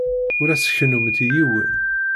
Ur as-kennumt i yiwen.